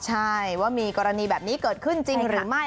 ใช่ว่ามีกรณีแบบนี้เกิดขึ้นจริงหรือไม่